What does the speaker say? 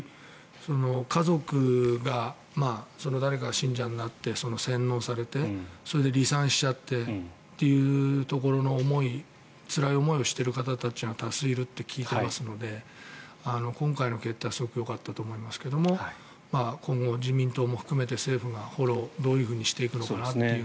家族が、誰かが信者になって洗脳されてそれで離散しちゃってというところのつらい思いをしている方たちが多数いると聞いてますので今回の決定はすごくよかったと思いますが今後、自民党も含めて政府がフォローをどういうふうにしていくのかなと。